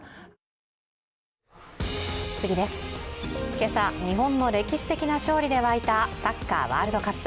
今朝、日本の歴史的な勝利で沸いたサッカーワールドカップ。